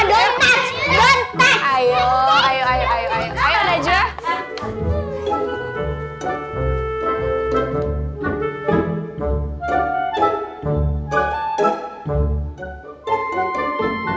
ke rumah ini